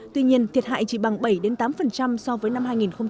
tuy nhiên thiệt hại chỉ bằng bảy tám so với năm hai nghìn một mươi năm hai nghìn một mươi sáu